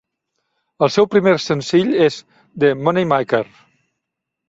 El seu primer senzill és "The Moneymaker".